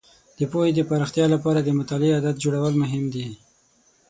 د پوهې د پراختیا لپاره د مطالعې عادت جوړول مهم دي.